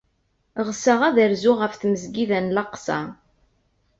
Ɣseɣ ad rzuɣ ɣef Tmesgida n Laqṣa.